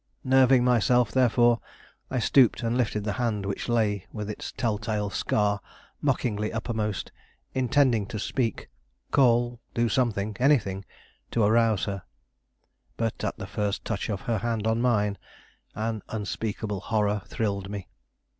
Nerving myself, therefore, I stooped and lifted the hand which lay with its telltale scar mockingly uppermost, intending to speak, call, do something, anything, to arouse her. But at the first touch of her hand on mine an unspeakable horror thrilled me.